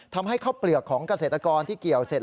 ทำให้ข้าวเปลือกของเกษตรกรที่เกี่ยวเสร็จ